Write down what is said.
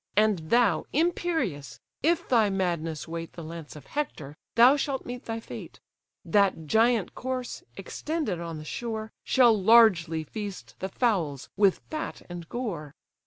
And thou, imperious! if thy madness wait The lance of Hector, thou shalt meet thy fate: That giant corse, extended on the shore, Shall largely feast the fowls with fat and gore."